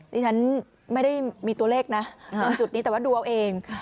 ดิฉันไม่ได้มีตัวเลขนะตรงจุดนี้แต่ว่าดูเอาเอง